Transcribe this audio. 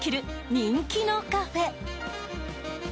人気のカフェ。